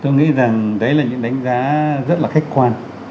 tôi nghĩ rằng đấy là những đánh giá rất là khách quan